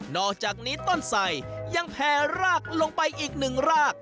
อกจากนี้ต้นไสยังแผ่รากลงไปอีกหนึ่งราก